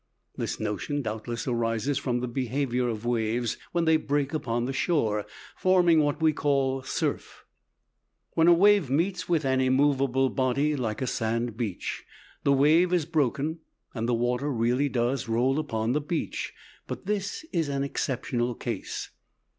This notion doubtless arises from the behavior of waves when they break upon the shore, forming what we call surf. When a wave meets with an immovable body like a sand beach, the wave is broken, and the water really does roll upon the beach. But this is an exceptional case.